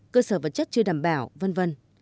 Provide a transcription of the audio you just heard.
cơ sở vật chất chưa đảm bảo v v